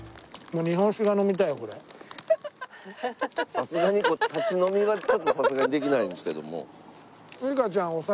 さすがに立ち飲みはちょっとさすがにできないんですけども。